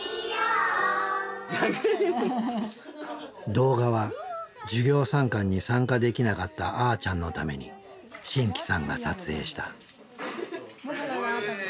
動画は授業参観に参加できなかったあーちゃんのために真気さんが撮影した。